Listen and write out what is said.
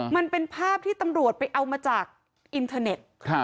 มันเป็นภาพที่ตำรวจไปเอามาจากอินเทอร์เน็ต